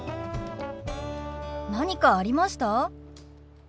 何かありました？